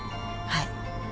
はい。